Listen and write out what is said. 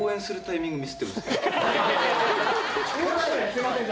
すいません